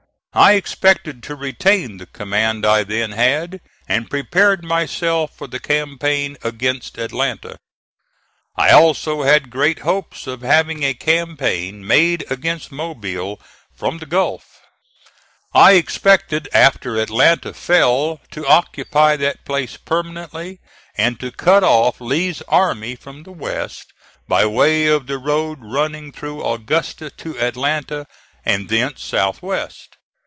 I expected to retain the command I then had, and prepared myself for the campaign against Atlanta. I also had great hopes of having a campaign made against Mobile from the Gulf. I expected after Atlanta fell to occupy that place permanently, and to cut off Lee's army from the West by way of the road running through Augusta to Atlanta and thence south west.